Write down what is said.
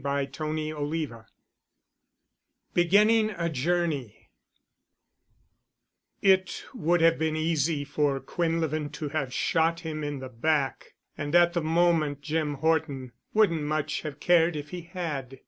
*CHAPTER XIII* *BEGINNING A JOURNEY* It would have been easy for Quinlevin to have shot him in the back, and at the moment Jim Horton wouldn't much have cared if he had.